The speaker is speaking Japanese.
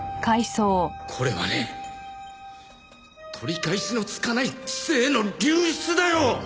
これはね取り返しのつかない知性の流出だよ！